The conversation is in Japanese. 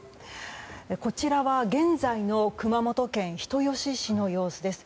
こちらは現在の熊本県人吉市の様子です。